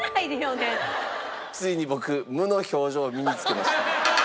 ついに僕無の表情を身につけました。